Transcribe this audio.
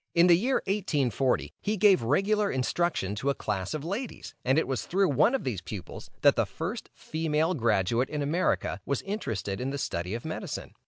In the year 1840, he gave regular instruction to a class of ladies, and it was through one of these pupils, that the first female graduate in America was interested in the study of medicine.